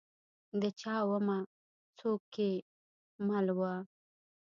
د چا ومه؟ څوک کې مل وه ؟